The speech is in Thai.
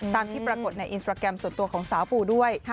ตามที่ปรากฏในอินสตราแกรมส่วนตัวของสาวปูด้วย